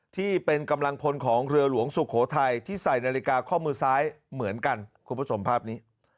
ที่เป็นกำลังพลของเรือหลวงสุโขทัยที่ใส่นาฬิกาข้อมือซ้ายเหมือนกันคุณผู้ชมภาพนี้